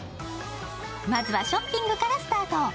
まずはショッピングからスタート。